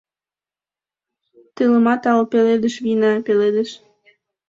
Телымат ал пеледыш вийна, пеледеш.